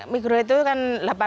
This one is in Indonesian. mikro itu kan delapan ribu